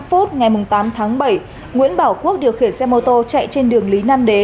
vào khoảng hai mươi h bốn mươi năm ngày tám tháng bảy nguyễn bảo quốc điều khiển xe mô tô chạy trên đường lý nam đế